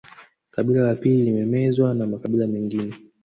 Kabila la pili limemezwa na makabila mengine